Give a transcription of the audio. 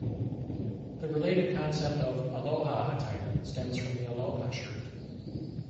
The related concept of "Aloha Attire" stems from the Aloha shirt.